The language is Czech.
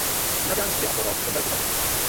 Gymnaziální studia absolvoval v Ružomberku a Levoči.